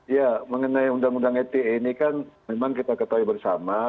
ya mengenai undang undang ite ini kan memang kita ketahui bersama